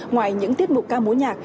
ngoài những tiết mục ca mối nhạc